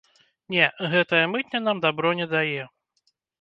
Не, гэтая мытня нам дабро не дае.